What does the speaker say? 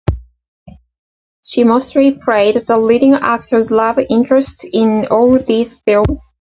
She mostly played the leading actor's love interest in all these films.